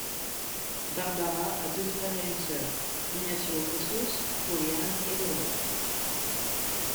Bárbara a deux frères et une sœur: Ignacio Jesús, Julián et Lourdes.